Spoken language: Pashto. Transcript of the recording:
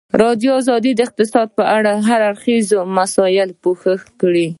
ازادي راډیو د اقتصاد په اړه د هر اړخیزو مسایلو پوښښ کړی.